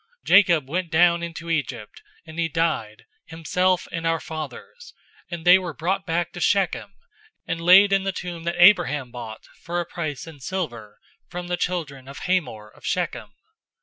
007:015 Jacob went down into Egypt, and he died, himself and our fathers, 007:016 and they were brought back to Shechem, and laid in the tomb that Abraham bought for a price in silver from the children of Hamor of Shechem.